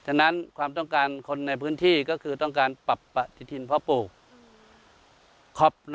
ฉะนั้นความต้องการคนในพื้นที่ก็คือต้องการปรับปฏิทินเพาะปลูก